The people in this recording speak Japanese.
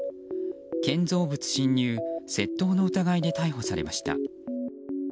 建造物侵入・窃盗の疑いで逮捕されました。